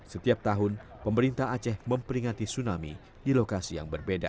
setiap tahun pemerintah aceh memperingati tsunami di lokasi yang berbeda